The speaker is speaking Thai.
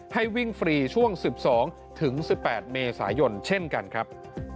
ให้วิ่งฟรีช่วง๑๒ถึง๑๘เมษายนเช่นกันครับ